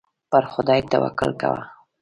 پر خدای توکل کوه.